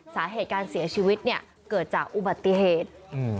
สาเหตุการเสียชีวิตเนี่ยเกิดจากอุบัติเหตุ